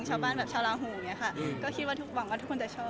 ชาวบ้านแบบชาวราหูค่ะก็คิดว่าทุกคนจะชอบ